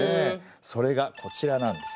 それがこちらなんです。